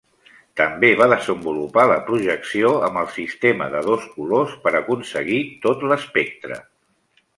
També va desenvolupar la projecció amb el sistema de dos colors per aconseguir tot l'espectre.